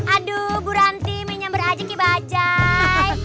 aduh bu ranti minyamber aja kibacai